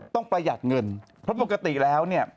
ประหยัดเงินเพราะปกติแล้วเนี่ย